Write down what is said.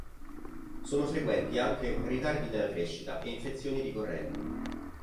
Sono frequenti anche ritardi nella crescita e infezioni ricorrenti.